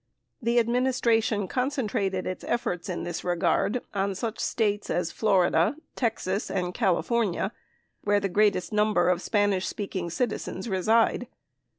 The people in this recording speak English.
69 The administration con centrated its efforts in this regard on such States as Florida, Texas, and California where the greatest number of Spanish speaking citizens reside.